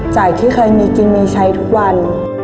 ที่เคยมีกินมีใช้ทุกวัน